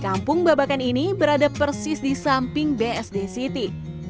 kampung babakan ini berada persis di samping bsd city